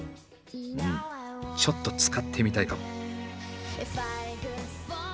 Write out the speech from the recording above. うんちょっと使ってみたいかも。